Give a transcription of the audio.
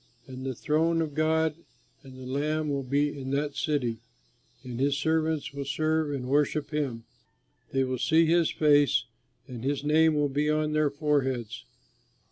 And the throne of God and the Lamb will be in that city; and his servants will serve and worship him; they will see his face and his name will be on their foreheads.